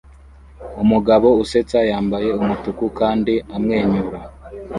Umugabo usetsa yambaye umutuku kandi amwenyura